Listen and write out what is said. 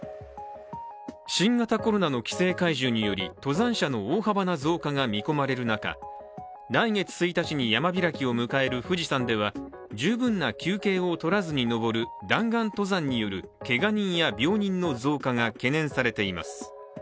新型コロナの規制解除により登山者の大幅な増加が見込まれる中来月１日に山開きを迎える富士山では、十分な休憩を取らずに登る弾丸登山によるけが人や病人の増加が懸念されています。